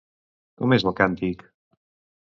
Com és el càntic?